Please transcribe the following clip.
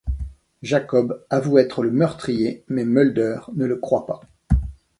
Jacob avoue être le meurtrier mais Mulder ne le croit pas.